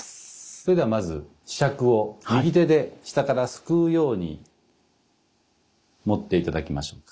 それではまず柄杓を右手で下からすくうように持って頂きましょうか。